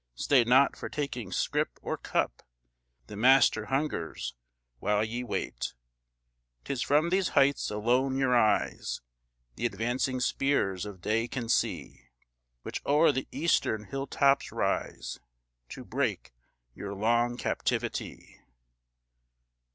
Stay not for taking scrip or cup, The Master hungers while ye wait; 'Tis from these heights alone your eyes The advancing spears of day can see, Which o'er the eastern hill tops rise, To break your long captivity.